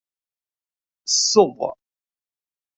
Sseḍ.